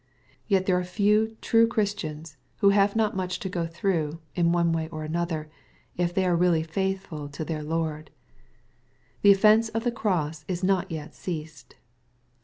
Yet there are few true Christians, who have not much to go through, in one way or another, if they are really faithful to their Lord. The offence of the cross is not yet ceased.